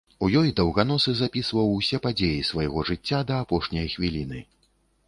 У ёй даўганосы запісваў усе падзеі свайго жыцця да апошняй хвіліны.